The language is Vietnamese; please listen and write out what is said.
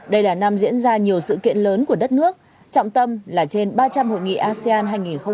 đây là năm diễn ra nhiều sự kiện lớn của đất nước trọng tâm là trên ba trăm linh hội nghị asean hai nghìn hai mươi